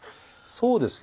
そうですね。